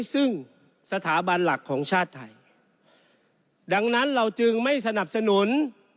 ซึ่งสถาบันหลักของชาติไทยดังนั้นเราจึงไม่สนับสนุน